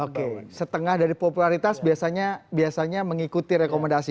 oke setengah dari popularitas biasanya mengikuti rekomendasi